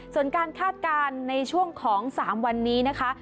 ส่วนการคาดการณ์ในช่วงของ๓วันนี้นะคะ